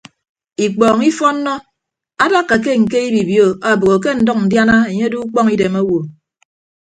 Ikpọọñ ifọnnọ adakka ke ñke ibibio obogho ke ndʌñ ndiana enye odo ukpọñ idem owo.